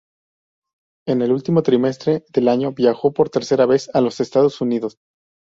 En el último trimestre del año viajó por tercera vez a los Estados Unidos.